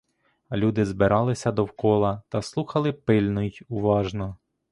Люди збиралися довкола та слухали пильно й уважно.